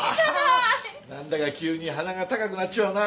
何だか急に鼻が高くなっちまうな。